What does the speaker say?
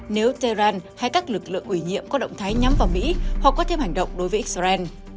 nếu tehran hay các lực lượng ủy nhiệm có động thái nhắm vào mỹ hoặc có thêm hành động đối với israel